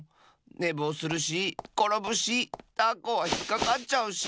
ねぼうするしころぶしたこはひっかかっちゃうし！